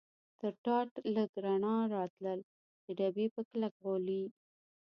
تر ټاټ لږ رڼا راتلل، د ډبې په کلک غولي.